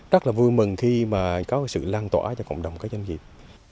rất là vui mừng khi có sự lan tỏa cho cộng đồng doanh nghiệp